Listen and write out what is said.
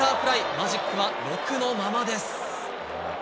マジックは６のままです。